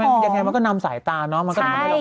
เพราะเขาคือนะเธอเขานำสายตามันบอกมองอยู่ดีแหละ